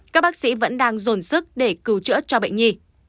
các bác sĩ vẫn đang dồn sức để cứu chữa cho bệnh nhi